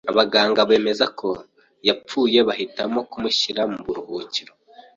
abaganga bemeza ko yapfuye bahitamo kumushyira mu buruhukiro